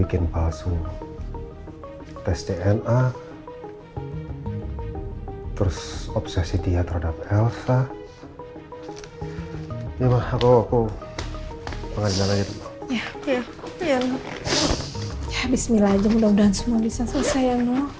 kantin sebelah mana ya